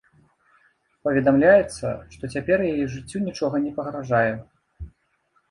Паведамляецца, што цяпер яе жыццю нічога не пагражае.